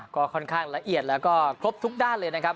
ก็ค่อนข้างละเอียดแล้วก็ครบทุกด้านเลยนะครับ